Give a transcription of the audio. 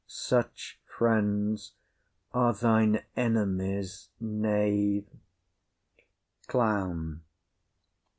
Such friends are thine enemies, knave. CLOWN.